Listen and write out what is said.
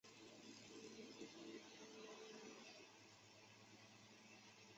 癌症免疫疗法是一类通过激活免疫系统来治疗癌症的方法。